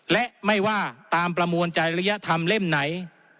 และไม่ว่าตามประมวลจริยธรรมเล่มไหน